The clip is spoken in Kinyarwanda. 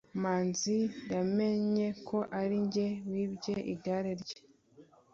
manzi yamenye ko ari njye wibye igare rye